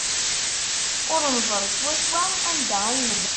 Ur neẓri swaswa anda ay nlul.